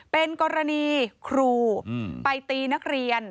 เป็นกรณีครูไปตีนักเรียน